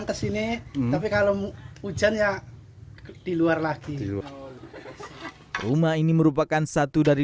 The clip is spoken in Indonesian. pemerintah desa belum bisa membantu memberikan biaya bedah rumah karena belakangan nicest dadu